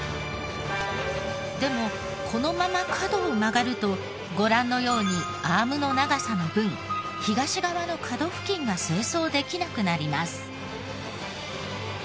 でもこのまま角を曲がるとご覧のようにアームの長さの分東側の角付近が清掃できなくなります。